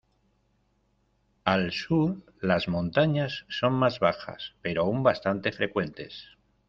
Al sur, las montañas son más bajas, pero aún bastante frecuentes.